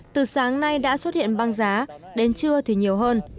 từ sáng nay đã xuất hiện băng giá đến trưa thì nhiều hơn